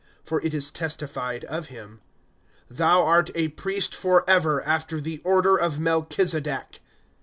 (17)For it is testified of him: Thou art a priest forever; After the order of Melchizedek.